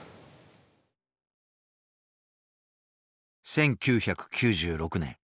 １９９６年。